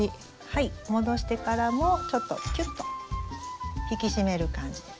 はい戻してからもちょっとキュッと引き締める感じで。